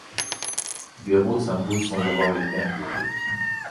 Dayrault s’impose sans avoir été inquiété.